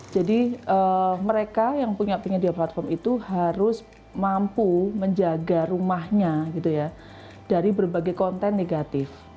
jadi mereka yang punya platform itu harus mampu menjaga rumahnya dari berbagai konten negatif